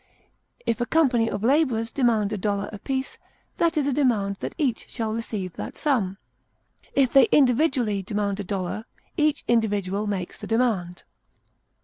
If a company of laborers demand a dollar apiece, that is a demand that each shall receive that sum; if they individually demand a dollar, each individual makes the demand.